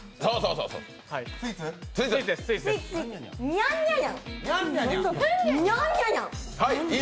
ニャンニャニャン。